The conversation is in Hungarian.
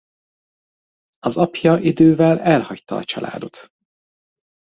Az apja idővel elhagyta a családot.